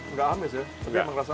nggak amis ya